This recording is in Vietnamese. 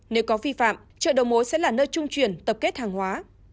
nếu có phi phạm chợ đầu mối sẽ là nơi trung truyền tập kết hàng hóa